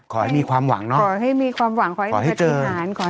ขอให้มีความหวังเนอะขอให้เจอขอให้มีความหวังขอให้อธิษฐาน